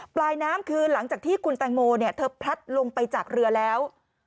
ปลายน้ำคือหลังจากที่คุณแตงโมเธอพลัดลงไปจากเรือแล้ว